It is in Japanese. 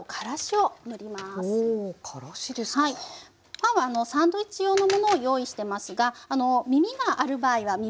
パンはサンドイッチ用のものを用意してますがみみがある場合ははい。